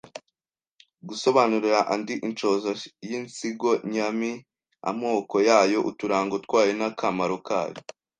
Gusobanurira andi inshoza y’iisigo nyami amoko yayo uturango twayo n’akamaro kayo